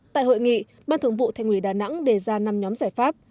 tại hội nghị ban thường vụ thành ủy đà nẵng đề ra năm nhóm giải pháp